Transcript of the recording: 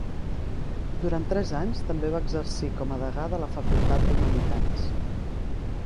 Durant tres anys, també va exercir com a degà de la Facultat d'Humanitats.